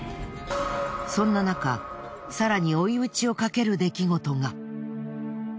そんななか更に追い打ちをかける出来事が。